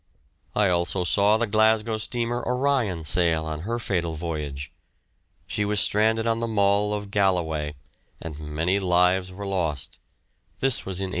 I also saw the Glasgow steamer "Orion" sail on her fatal voyage. She was stranded on the Mull of Galloway, and many lives were lost; this was in 1850.